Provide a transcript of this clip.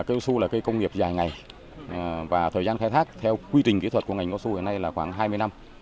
cây casu là cây công nghiệp dài ngày và thời gian khai thác theo quy trình kỹ thuật của ngành casu hôm nay là khoảng hai mươi năm